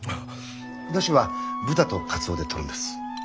出汁は豚とカツオでとるんです。